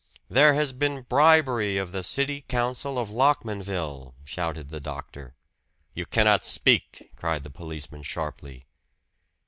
"There has been bribery of the city council of Lockmanville," shouted the doctor. "You cannot speak!" cried the policeman sharply.